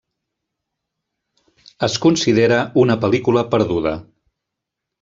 Es considera una pel·lícula perduda.